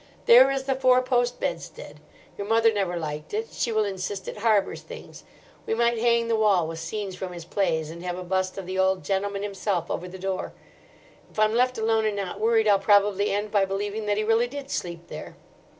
There is the four post bedstead. Your mother never liked it. She will insist, it harbours things. We might hang the wall with scenes from his plays, and have a bust of the old gentleman himself over the door. If I'm left alone and not worried, I'll probably end by believing that he really did sleep there."